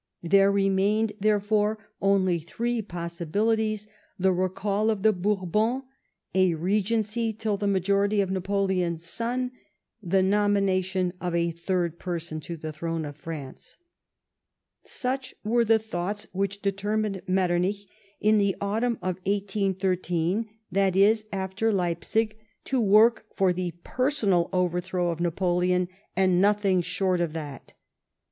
There remained, therefore, only three possibilities : the recall of the Bourbons ; a regency till the majority of Napoleon's aon ; the nomination of a third pertou to the throne of France." Such were the thoughts which determined IMetternich, in the autumn of 1813, that is, after Leipsig, to work for 124 LIFE OF PRINCE METTERNIC3. the })er50ual overthrow of Xa})oleon, and for iiothiii<^ short of that.